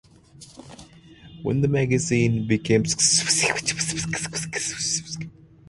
When the magazine became successful they moved their offices to Chicago.